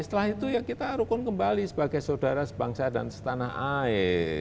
setelah itu ya kita rukun kembali sebagai saudara sebangsa dan setanah air